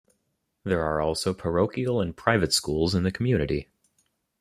There are also parochial and private schools in the community.